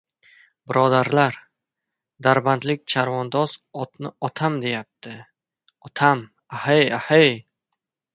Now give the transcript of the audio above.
Birodarlar, Darbandlik chavandoz otni otam deyapti, otam! Ahay-ahay!